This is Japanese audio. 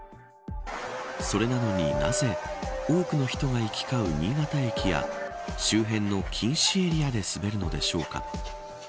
それなのに、なぜ多くの人が行き交う新潟駅や周辺の禁止エリアで滑るのでしょうか。